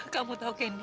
kamu tahu kendi